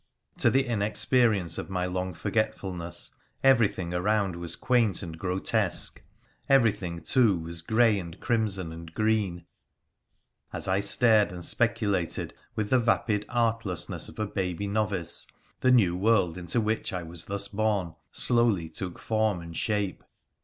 To the inexperience of my long forgetfulness everything io8 WONDERFUL ADVENTURES QP around was quaint and grotesque ! Everything, too, was grey, and crimson, and green ! As I stared and speculated, with the vapid artlessness of a baby novice, the new world into which I was thus born slowly took form and shape.